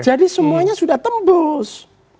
jadi semuanya sudah tembus